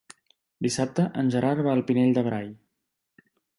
Dissabte en Gerard va al Pinell de Brai.